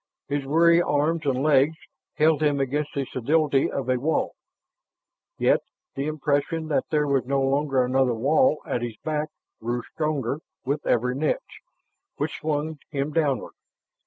His weary arms and legs held him against the solidity of a wall, yet the impression that there was no longer another wall at his back grew stronger with every niche which swung him downward.